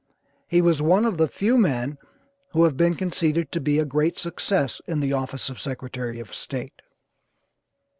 He was one of the few men who have been conceded to be a great success in the office of Secretary of State.